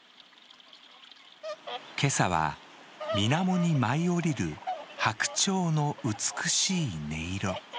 今朝は水面に舞い降りる白鳥の美しい音色。